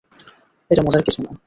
এটা মজার কিছু না!